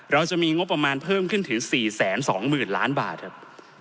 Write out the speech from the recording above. เราจะมีงบประมาณเพิ่มขึ้นถึง๔๒๐๐๐ล้านบาทครับ